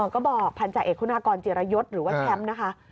ก็บอกพันธาเอกคุณากรจิรยศหรือว่าแชมป์นะคะ